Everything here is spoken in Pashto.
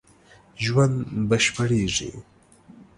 ژوند بشپړېږي